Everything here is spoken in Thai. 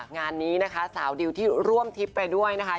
งานนี้นะคะสาวดิวที่ร่วมทริปไปด้วยนะคะ